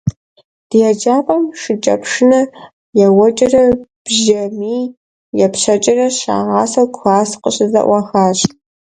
Ди еджапӏэм шыкӏэпшынэ еуэкӏэрэ, бжьэмий епщэкӏэрэ щрагъасэу класс къыщызэӏуахащ.